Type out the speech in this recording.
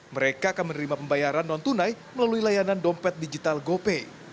mereka akan menerima pembayaran non tunai melalui layanan dompet digital gopay